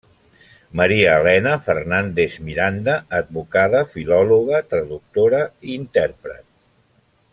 Maria Elena Fernández-Miranda, advocada, filòloga, traductora i intèrpret.